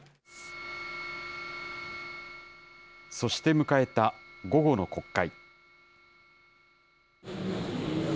そして迎えた午後の国会。